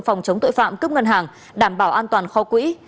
phòng chống tội phạm cướp ngân hàng đảm bảo an toàn kho quỹ